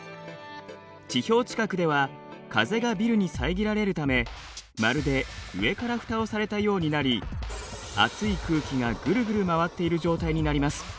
地表近くでは風がビルに遮られるためまるで上からふたをされたようになり熱い空気がぐるぐる回っている状態になります。